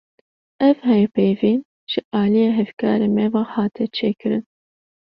Ev hevpeyvîn, ji aliyê hevkarê me ve hate çêkirin